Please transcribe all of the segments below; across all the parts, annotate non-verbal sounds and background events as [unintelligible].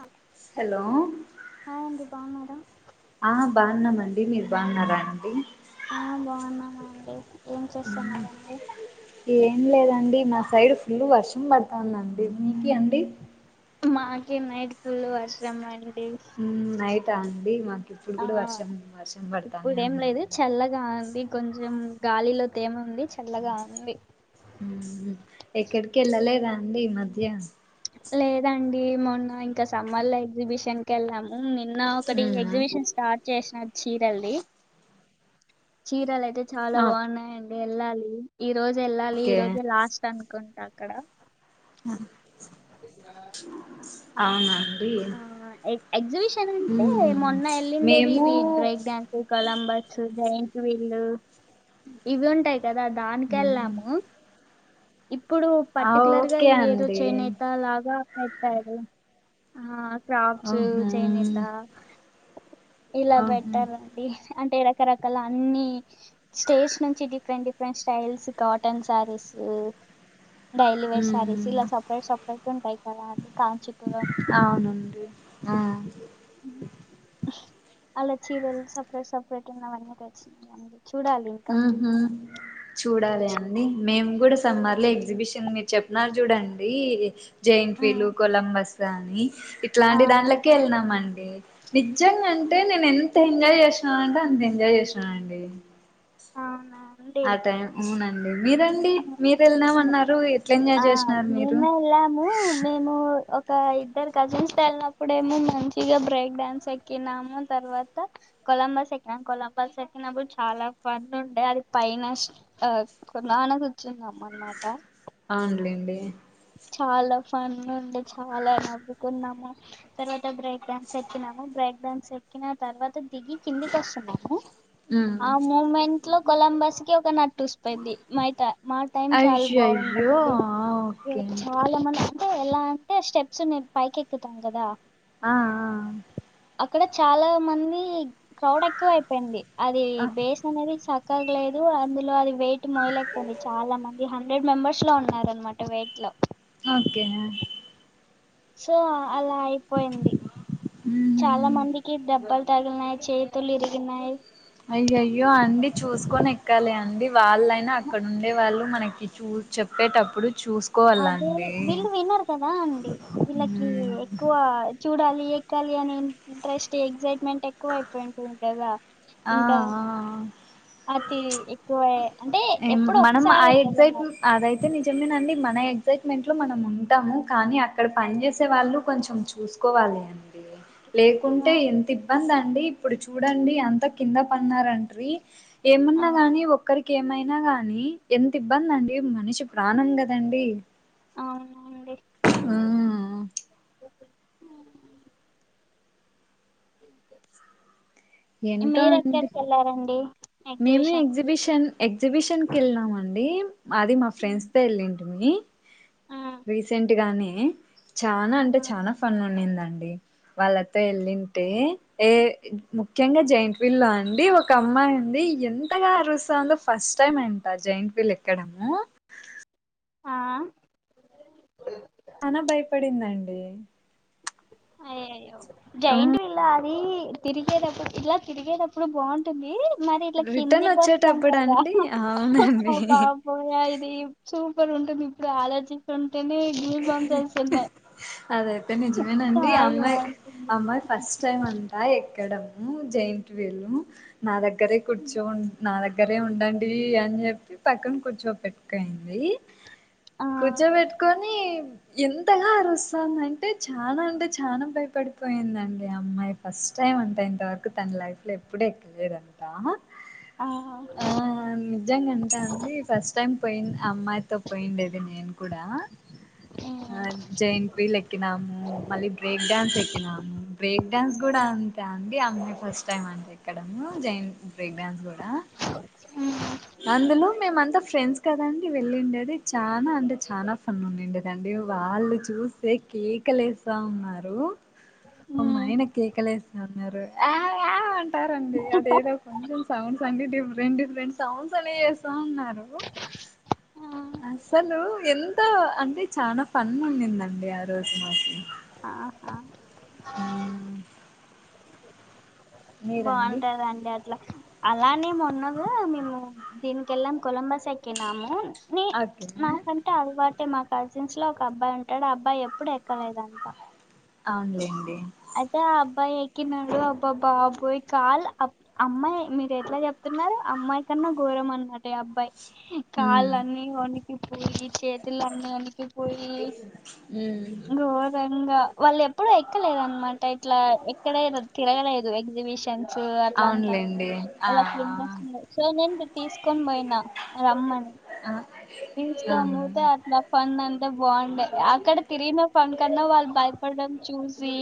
ఆ hello hi అండి బాగున్నాము ఆ బాగున్నామండి మీరు బాగున్నారానండి ఆ బాగున్నామండి ఏం చేస్తున్నరండి ఏం లేదండి నా సైడ్ ఫుల్ వర్షం పడుతదండి మీకి అండి మాకే నైట్ ఫుల్లు వర్షం అండి నైటా అండి మాకు ఇప్పుడు ఆ కూడా వర్షం వర్షం పడతానే ఇప్పుడు ఏం లేదు ఉందండి చల్లగా ఉంది కొంచెం గాలిలో తేమ ఉంది చల్లగా ఉంది ఎక్కడికి వెళ్ళలేదా అండి ఈ మధ్య లేదండి మొన్న ఇంకా సమ్మర్ల ఎగ్జిబిషన్ కెళ్ళాము నిన్న ఒకటి ఉమ్ ఎగ్జిబిషన్ స్టార్ట్ చేసిన చీరల్డి చీరలు అయితే చాలా ఆ బాగున్నాయండి వెళ్ళాలి ఈ రోజు వెళ్ళాలి ఈ ఓకే రోజే లాస్ట్ అను కుంటా అక్కడ అవునండి అ ఎ ఎగ్జిబిషన్ అంటే ఉమ్ మొన్న వెళ్ళిండేది మేము వీట్ బ్రేక్ డాన్స్ కలంబస్ చ్చు జాయింట్ వీల్ళు ఇవి ఉంటాయి కదా దానికి ఉమ్ వెళ్ళాము ఇప్పుడు ఆ పర్టికులర్ గా ఓకే ఇదిదో అండి చేనేత లాగా పెట్టాడు ఆ ఫ్రాప్స్ ఆహా చేనేత ఇలా ఆహా బెట్టారండి అంటే రకరకాల అన్ని స్టేట్స్ నుంచి different different styles cotton saris daily wear saris ఇలా ఉమ్ సపరేట్ సపరేట్ ఉంటాయి కదా అండి కాంచీకురం అవునండి ఆ అలా చీరల్ సపరేట్ సపరేట్ ఉన్న అవన్నీ తెచ్చిదండి ఊహు చూడాలి అండి మేము కూడా సమ్మర్ ల ఎగ్జిబిషన్ మీరు చెప్పిన చూడండి జైన్ట్ ఉమ్, వీలు కొలంబస్ కానీ ఆ ఇట్లాంటి దాంట్లకె వెళ్ళినాం అండి డి నిజంగా అంటే నేను ఎంత ఎంజాయ్ చేషినను అంటే అంత ఎంజాయ్ చేషినను అండి అవునా అండి ఆ టైం ఊ నండి మీరండి ఆ మీరు మే- వెళ్నామన్నారు ఎ ఆ మేమే వెళ్ళాము మేము ఒక్ క ఇద్దరు కజిన్స్ తో వెళ్ళినప్పుడేమో మంచిగా బ్రేక్ డాన్స్ ఎక్కినాము తర్వాత కొలంబస్ ఎక్కినా కొలంబస్ ఎక్కినప్పుడు చాలా ఫన్ ఉండే అది పైన గుర్చున్నాం అనమాట అవునులేండి చాలా ఫన్ ఉండే చాలా నవ్వుకున్నాము తర్వాత బ్రేక్ డాన్స్ ఎక్కినాము బ్రేక్ డాన్స్ ఎక్కిన తర్వాత దిగి కిందికి వస్తున్నాము. ఉమ్ ఆ మూమెంట్ లో కొలంబస్ కి ఒక నట్టుస్ పెంది మైట మా టైం చాలా అయ్యయ్యో బాగుందండి. క్కడ ఓకే చాలా మంది అంటే ఎలాంటె స్టెప్స్ నేన్ పైకేకుతాం గదా ఆ ఆ అక్కడ చాలా మంది క్రౌడ్ ఎక్కువ అయిపోయింది అది ఆ బేస్ అనేది చ క్కర్లేదు అందులో అది వెయిట్ మోయలేక పోయింది చాలా మంది హండ్రెడ్ మెంబర్స్ లో ఉన్నారు అనమాట వెయిట్ లో ఓకే సో అలా అయిపోయింది చాలా ఉహు మందికి డబ్బలు తగిలినాయి చేతులు ఇరిగినయి అయ్యయ్యో అండి చూసుకొని ఎక్కాలి అండి వాళ్ళైనా అక్కడ ఉండే వాళ్ళు మనకి చూ చెప్పేటప్పుడు అదే చూసుకోవాలండి వీళ్ళు వినరు కదా అండి వీళ్ళకి ఎక్కువ చూడాలి ఇ ఎక్కాలి అని ఇంట్రెస్ట్ ఎగ్జైట్మెంట్ ఎక్కువ అయిపోయి ఉంటుంది కదా ఆ ఇంకా ఆ అతి ఎక్కువే ఏం మనం ఆ ఎగ్జైట్ అదైతే తే నిజమేండి మన ఎగ్సైట్మెంట్ లో మనం ఉంటాము కానీ అక్కడ పని చేేసే వాళ్ళు కొంచెం చూసు కోవాలి అండి ఆ లేకుంటే ఎంత ఇబ్బంది అండి ఇప్పుడు చూడండి అంత కింద పన్నారంట్రీ ఆ ఏమన్నా గాని ఒక్కరికి కేమైనా గాని ఎంత ఇబ్బంది అండి మనిషి ప్రాణం కదండి అవునండి ఊమ్ మీరు ఎక్కడికి వెళ్ళారండి మేము ఎగ్జిబిషన్ కి ఎగ్జిబిషన్ ఎగ్జిబిషన్ కి వెళ్ళినాం అండి అది మా ఫ్రెండ్స్ తో వెళ్ళిం టీమి ఆ రీసెంట్ గానే చానా అంటే చానా ఫన్ ఉండింద అండి వాళ్ళతో వెళ్ళింటే ఏ ముఖ్యంగా జైంట్ వీల్ లో అండి ఒక అమ్మాయి అండి ఎంతగా అరుస్తందో ఫస్ట్ టై అంటా జైంట్ వీల్ ఎక్కడము ఆ చానా భయపడింది అండి అయ్యయ్యో జైంట్ వీల్ ఆ అది తిరిగేటప్పుడు ఇట్లా తిరిగేటప్పుడు బాగుంటుంది మరి ఇలా రిటర్న్ కిందికి వస్తాం వచ్చేటప్పుడు కదా అండి అవునండి బాబోయ్ ఇది చూ సూపర్ ఉంటుంది ఇప్పుడు ఆలోచిస్తుంటేనే గూస్ బంప్స్ వస్తున్నాయి అది అయితే నిజమే అవునండి చాలా అమ్మాయి బాగుంటుంది అమ్మాయి ఫస్ట్ టైమ్ అంటా ఎక్కడం ఊ జైంట్ వీల్ నా దగ్గరే కూర్చో నా దగ్గరే ఉండండి అని చెప్పి పక్కన కూర్చోపెట్టుకోయింది ఆ కూర్చోబెట్టుకొని ఎంతగా అరుస్తందంటే టే చానా అంటే చానా భయ పడిపోయిందండి అమ్మాయి ఫస్ట్ టైమ్ అంటా ఇంతవరకు తన లైఫ్ లో ఎప్పుడూ ఎక్కలేదంటా ఆ ఆ నిజంగా అంట అండి ఫస్ట్ టైం పోయిన్ అమ్మాయితో పోయిండేది నేను కూడా ఆ జైంట్ వీల్ ఎక్కినాము మళ్ళీ బ్రేక్ డాన్స్ ఎక్కినాము బ్రేక్ డాన్స్ కూడా అంతే అండి అమ్మాయి ఫస్ట్ టైమ్ అంట ఎక్కడము జైన్ బ్రేక్ డాన్స్ కూడా ఉమ్ అందులో మేమ అంతా ఫ్రెండ్స్ కదండి వెళ్ళిండేది అది చాలా అంటే చానా ఫన్ ఉండిడేది అండి వాళ్ళు చూస్తే కేకలు వేస్తా ఉన్నారు మా ఉమ్ ఆయన కేకలు ఎస్త ఉన్నారు అయ్ అయ్ ఉంటారండి అదేదో కొంచెం సౌండ్స్ అండి డిఫరెంట్ డిఫరెంట్ సౌండ్స్ అని చేస్తా ఉన్నారు ఉమ్ అసలు ఎంత అంటే చానా ఫన్ ఉడిందండి ఆ రోజు మాకు ఆహా ఊ బాగుంటాదండి అట్లా అలానే మేము కూడా దీనీకెళ్ళం కొలంబస్ ఎక్కినాము నీ ఓకే మాకాంత అలవాటే మాకు కజిన్స్ లో ఒక అబ్బాయి ఉంటాడు ఆ అబ్బాయి ఎప్పుడు ఎక్కలేదంట అవునులెండి అయితే ఆ అబ్బాయి ఎక్కినాడు అబ్బా బాబోయ్ కాల్ అమ్మాయి మీరు ఎట్లా చెప్త ఉన్నారు అమ్మాయి కన్నా గోరం అన్నమాట ఈ అబ్బాయి మ్మ్ కాళ్ళన్నీ వనికిపోయి చేతులన్నీ వనికిపోయి మ్మ్ పోయి ఘోరంగా వాళ్ళు ఎప్పుడూ ఎక్కలేద అట్లాంతా అవునులేండి ఆ [unintelligible] తీసుకొని పోయినా మని ఆ ఆ తీస్తాము, ఐతే అట్లా ఫన్ అంతే బాగుండే అక్కడ తిరిగిన ఫన్ కన్నా వాళ్ భయపడడం చా చూసి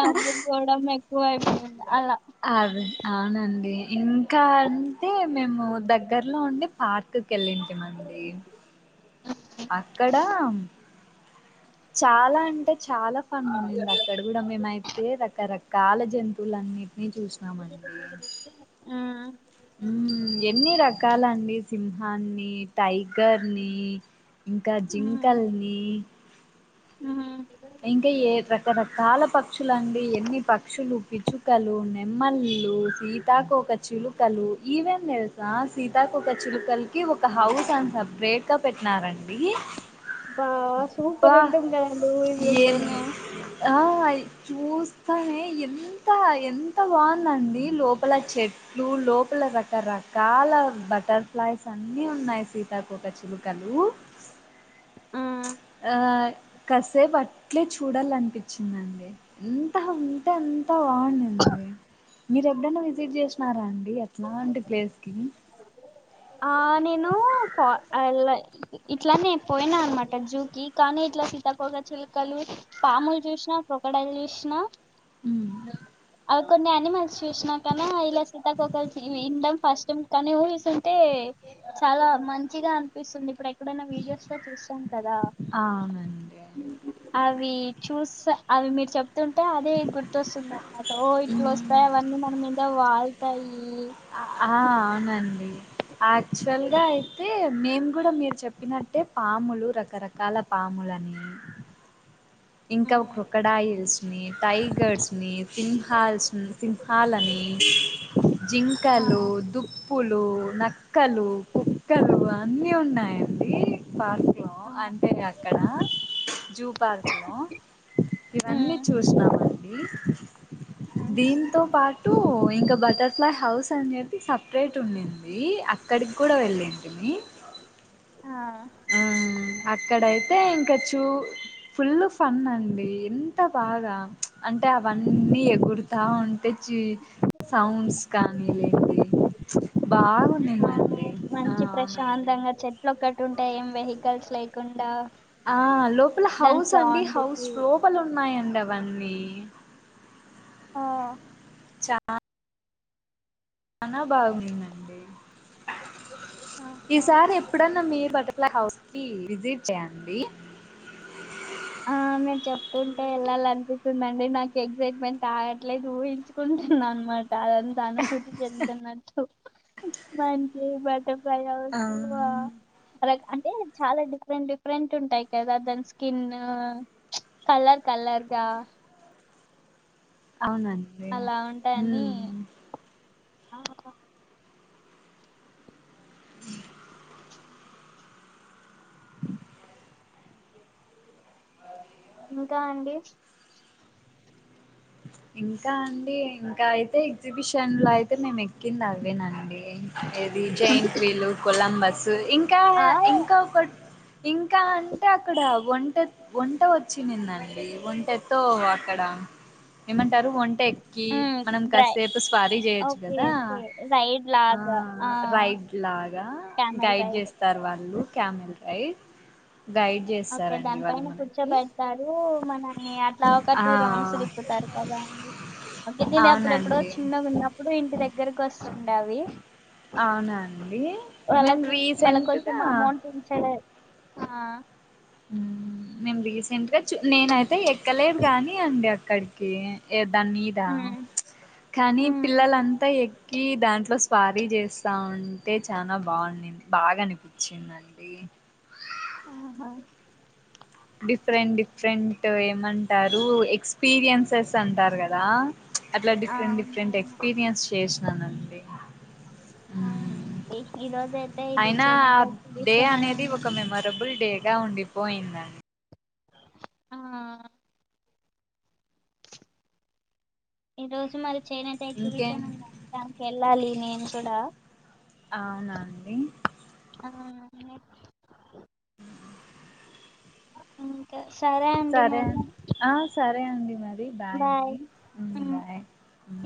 నవ్వుకోవడం ఎక్కువ అయిపోయింది అలా అదే అవునండి ఇంకా అంటే మేము దగ్గర్లో ఉండి పార్క్ కెళ్ళింటి మండీ అక్కడ చాలా అంటే చాలా ఫన్ ఉనింది అక్కడ కూడా మేమైతే రకరకాల జంతువులన్ని అన్నీ చూసినామండి ఉమ్, ఎన్ని రకాల అండి సింహాన్ని టైగర్ ని ఇంకా జింకల్ని ఆ ఇంకా ఏ రకరకాల పక్షులండి ఎన్ని పక్షులు పిచ్చుకలు నెమల్ ళ్లు సీతాకోక చిలుకలు ఈవేం తెల్సా సీతాకోక చిలుకల్కి ఒక ఒక హౌస్ అన్ సప్రేట్ గా పెట్నారండి బా సూపర్ ఉంటుంద్ కదండి ఏన్ ఊహిస్తుంటేనే ఆ చూస్తానే ఎంత ఎంత బాగుందండి లోపల చెట్ ఫ్లూ లోపల రకరకాల బటర్ఫ్లైస్ అన్నీ ఉన్నాయి సీతాకోక చిలుకలు ఊ ప్చ్ ఉమ్. ఆ కస్ సేప్ అట్లే చూడాలనిపిచ్చిదిం అండి ఎంతః అంటే అం అంత బాగునింది మీరు ఎప్పుడైనా వి సిట్ చేసినారా అండి అట్లాంటి ప్లేస్ కి ఆ నేను పో ఇట్లానే పోయినా అనమాట జూకి కానీ ఇట్లా సీతకోక చిలుకలు పాముల్ చూసినా క్రోకొడయ్ల్ చూసినా ఆ కొన్ని ఆనిమల్స్ చూస్ కాని ఇలా సీతకోక ఇందం ఫస్టం కానీ ఊహిస్సుంటే టే చాలా మంచిగా అనిపిస్తుంది, ఇప్పుడు ఎక్కడైనా వీడియోస్ లో చూస్తాం కదా ఆ అవునండి అవి చూస్స అవి మీరు చెప్ తుంటే అదే గుర్తొస్తుంది, అనమాట ఓ ఇట్ల ఉమ్, వస్తాయ్ అవన్నీ మన మీద వాల్తాయి అ ఆ అవునండి యాక్చువల్ గా అయితే మేము కూడా మీరు చెప్పినట్టే పాములు రకరకాల పాములు అని ఇంకా క్రొకొడైల్స్ ని, టైగర్స్ ని, సింహాల్స్ సింహాలని ఆ జింకలు, దుప్పులు నక్కలు, కుక్కలు, అన్నీ ఉన్నాయండి పార్ లో ఆ అంటే అక్కడ జూ పార్క్ లో ఇవన్నీ ఉమ్ చూసినామండి. ఉహు దీంతో పాట్ టు ఇంకా బటర్ఫ్లై హౌస్ అని చెప్పి సప్రేట్ ఉనింది అక్కడికి కూడా వెళ్ళి టిమి ఆ ఆ అక్కడైతే ఇంకా చూ పుల్ ఫన్ అండి ఎంత బాగా అంటే అవన్నీ ఎగుర్తా ఉం తెచ్చి సౌండ్స్ కానీ లేండి అవును బాగునిందండి ఆ అవునండి ట్టు ఉంటాయ్ ఏం వెహికల్స్ లేకుండా ఆ లోపల దాని హౌస్ అండి సౌండ్ హౌస్ కి లోపల ఉన్నాయం డవన్నీ ఆ చా చనా బాగుందండి ఆహా ఈసారి ఎప్పుడన్న మీ బటర్ఫ్లై హౌస్ విజిట్ చేయండి ఆ మీరు చెప్తుంటే వెళ్ళాలి అనిపిస్తుందిండి నాకు ఎగ్సైట్మెంట్ ఆగట్లేదు ఊహించుకుంటున్నా అనమాట అదంతా అనుభూతి చెంతన్నట్టు మంచి బస్ బటర్ఫ్లై ఆ హౌస్ అలా అంటే చాలా డిఫరెంట్ డిఫరెంట్ ఉంటాయి కదా దాని స్కిన్ ఆ కల్లర్ కల్లర్ గా అవునండి అలా ఉంటాని మ్మ్ ఇంకా అండి ఇంకా అండి ఇంకా అయితే ఎగ్జిబిషన్ లో అయితే మేము ఎక్కింది అవేనండి ఇది జైంట్ వీలు కొలంబస్ ఇంకా ఆ ఇంకా ఒక ఇంకా అంటే అక్కడ ఒంటె ఒంటె వచ్చిందండి ఒంటెతో అక్కడ ఏమంటారు ఒంటె ఎక్కి మనం డ్రై కాససేపు స్వారీ చేయొచ్చు ఓకే కదా ఓకే రైడ్ ఆ లాగా ఆ రైడ్ లాగా క్యామెల్ గైడ్ రైడ్ చేస్తారు వాళ్ళు క్యామెల్ రైడ్ గైడ్ ఓకే చేస్తారండి దాని వాళ్ళు పైన మనకి కూర్చోబెడతారు మనని అట్లా ఒక ఆ టూ రౌండ్స్ తిప్పుతారు కదా ఓకే నేను ఎప్పుడెప్పుడో అవునండి చిన్నగా ఉన్నప్పుడు ఇంటి దగ్గరకి వస్తుండ అవి అవునండి మేము వాళ్ళకి వాళ్ళకి రీసెంట్గా కొంచెం అమౌంట్ ఇంచడం ఆ నేను రీసెంట్ గా చూ నేనయితే ఎక్కలేదు గానీ అండి అక్క అక్కడికి ఏ దాని మీద ఉమ్ కానీ ఉమ్ పిల్లలంతా ఎ కి దాంట్లో స్పారీ చేస్తా ఉంటే చాల బాగుంది బాగా అనిపించిందిండి అ ఆహా డిఫరెంట్ డిఫరెంట్ ఏమంటారు ఎక్స్పీరియన్సెస్ అంటారు కదా అట్లా డిఫరెంట్ డిఫరెంట్ అవునవును ఎక్స్పీరియన్స్ చేసినానండి ఆ మ్మ్. ఈ రోజ్ ఐతే అయినా ఆ డే అనేది ఒక ఉంది మెమొరబుల్ డేగా ఉండిపోయిందని ఆ ఈ రోజు మరి చనతే ఇంకేం ఎగ్జిబిషన్ ఉంది దానికి వెళ్ళాలి నేను కూడా అవునాండి మ ఇంకా సరే అండి సరే అ మరి ఆ సరే అండి మరి బాయ్ అండి ఉ ఉమ్ బాయ్ అ